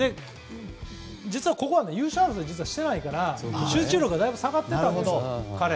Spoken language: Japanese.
実はここは優勝争いはしてないから集中力がだいぶ下がっていたんですよ。